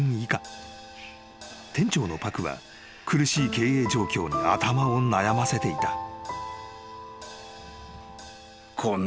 ［店長のパクは苦しい経営状況に頭を悩ませていた］